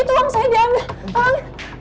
itu uang saya diambil